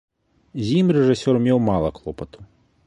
З ім рэжысёр меў мала клопату.